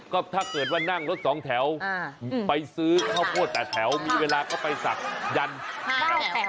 ก็ถ้าเกิดว่านั่งรถ๒แถวไปซื้อข้าวโพด๘แถวมีเวลาก็ไปสั่งยัน๕แถว